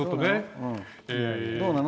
どうなの？